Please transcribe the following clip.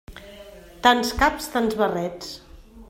Tants caps, tants barrets.